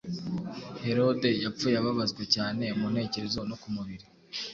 Herode yapfuye ababazwa cyane mu ntekerezo no ku mubiri,